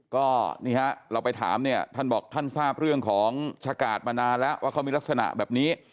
ก็นี่ฮะเราไปถามเนี่ยท่านบอกท่านทราบเรื่องของชะกาดมานานแล้วว่าเขามีลักษณะแบบนี้